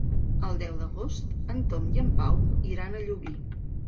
El deu d'agost en Tom i en Pau iran a Llubí.